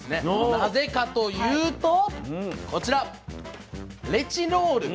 なぜかというとこちらレチノール。